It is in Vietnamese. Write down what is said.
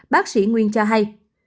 bác sĩ nguyên cho hay